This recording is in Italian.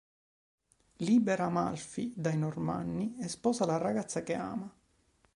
Libera Amalfi dai normanni e sposa la ragazza che ama.